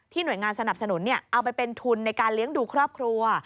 หน่วยงานสนับสนุนเอาไปเป็นทุนในการเลี้ยงดูครอบครัว